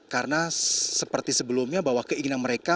karena seperti sebelumnya bahwa keinginan mereka